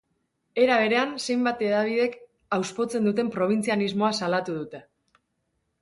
Era berean, zenbait hedabidek auspotzen duten probintzianismoa salatu dute.